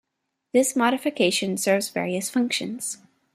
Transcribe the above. This modification serves various functions.